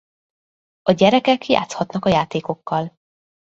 A gyerekek játszhatnak a játékokkal.